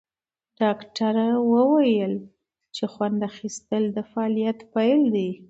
ډاکټره وویل چې خوند اخیستل د فعالیت پیل دی.